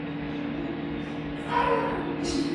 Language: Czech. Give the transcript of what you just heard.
Obec je obklopena lesy.